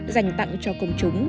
dành tặng cho công chúng